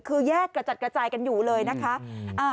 คือแยกกระจัดกระจายกันอยู่เลยนะคะ